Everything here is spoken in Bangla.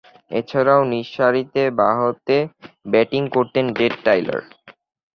এছাড়াও, নিচেরসারিতে বামহাতে ব্যাটিং করতেন টেড টাইলার।